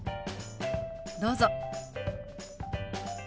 どうぞ。